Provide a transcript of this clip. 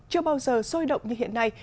chưa bao giờ sôi động như hiện nay